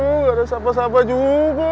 aduh nggak ada sahabat sahabat juga